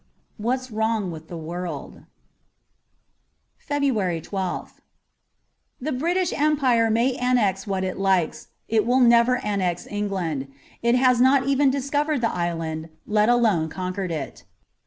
' What's Wrong with the World: 47 FEBRUARY 12th THE British Empire may annex what it likes, it will never annex England. It has not even discovered the island, let alone con quered it.